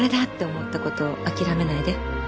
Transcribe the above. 思ったことを諦めないで